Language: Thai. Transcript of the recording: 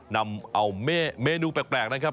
นำเอาเมนูแปลกนะครับ